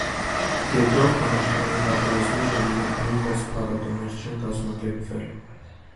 Երկրորդ համաշխարհային պատերազմի ժամանակ նույնպես փառատոներ չեն կազմակերպվել։